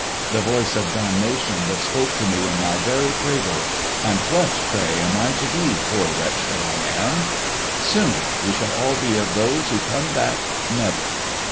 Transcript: The voice of damnation that spoke to me in my very cradle. And what, pray, am I to be, poor wretch that I am? "Soon we all shall be of those Who come back never!"